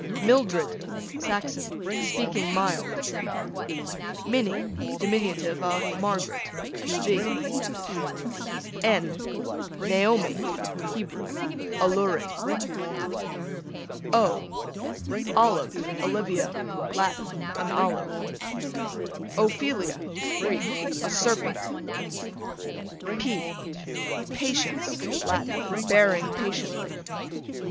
Mildred, Saxon, speaking mild. Minnie, dim. of Margaret. q. v. N Naomi, Hebrew, alluring. O Olive, Olivia, Latin, an olive. Ophelia, Greek, a serpent. P Patience, Latin, bearing patiently.